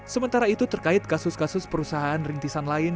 sementara itu terkait kasus kasus perusahaan rintisan lain